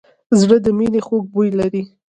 زړه د مینې خوږ بوی لري.